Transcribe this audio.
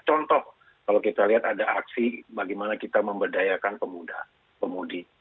contoh kalau kita lihat ada aksi bagaimana kita memberdayakan pemuda pemudi